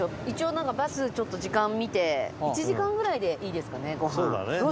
一応バスちょっと時間見て１時間ぐらいでいいですかね？